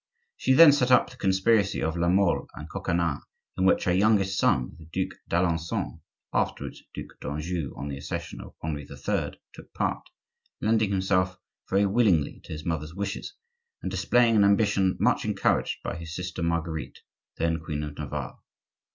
She then set up the conspiracy of La Mole and Coconnas, in which her youngest son, the Duc d'Alencon (afterwards Duc d'Anjou, on the accession of Henri III.) took part, lending himself very willingly to his mother's wishes, and displaying an ambition much encouraged by his sister Marguerite, then queen of Navarre.